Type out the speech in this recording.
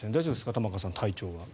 玉川さん体調は。